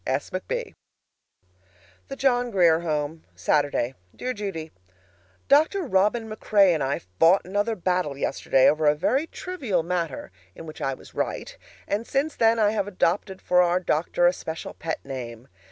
S. McB. THE JOHN GRIER HOME, Saturday. Dear Judy: Dr. Robin MacRae and I fought another battle yesterday over a very trivial matter (in which I was right), and since then I have adopted for our doctor a special pet name.